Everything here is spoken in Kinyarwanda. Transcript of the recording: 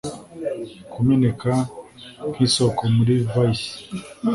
kumeneka nk'isoko muri vice